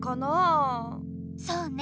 そうね